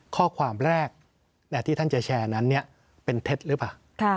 ข้อความแรกที่ท่านจะแชร์นั้นเป็นเท็จหรือเปล่า